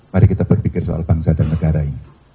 mari kita berpikir soal bangsa dan negara ini